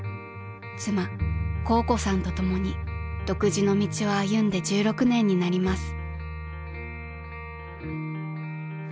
［妻香子さんと共に独自の道を歩んで１６年になります］